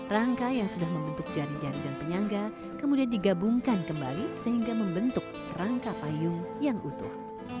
rangka yang sudah membentuk jari jari dan penyangga kemudian digabungkan kembali sehingga membentuk rangka payung yang utuh